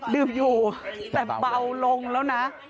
ดื่มอยู่แต่เบาลงแล้วนะ